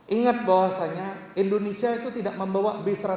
ingat bahwasannya indonesia itu tidak membawa b satu ratus lima puluh